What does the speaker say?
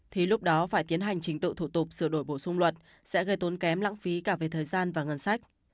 thì lúc đó phải tiến hành trình tự thủ tục sửa đổi bổ sung luật sẽ gây tốn kém lãng phí cả về thời gian và ngân sách